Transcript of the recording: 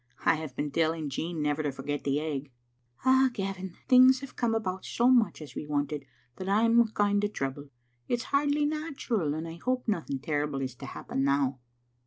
I have been telling Jean never to forget the egg." " Ah, Gavin, things have come about so much as we Digitized by VjOOQ IC wanted that I'm a kind o' troubled. It*s hardly natu ral, and I hope nothing terrible is to happen now."